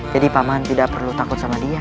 jadi paman tidak perlu takut sama dia